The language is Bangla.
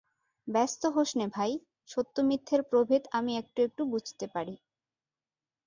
ব্যস্ত হোস নে ভাই, সত্যমিথ্যের প্রভেদ আমি একটু একটু বুঝতে পারি।